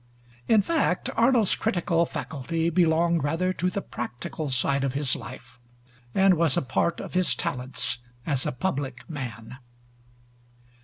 In fact, Arnold's critical faculty belonged rather to the practical side of his life, and was a part of his talents as a public man.